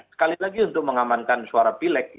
sekali lagi untuk mengamankan suara pilek